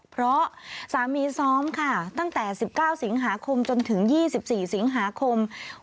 เพราะสามีซ้อมค่ะตั้งแต่๑๙สิงหาคมจนถึง๒๔สิงหาคม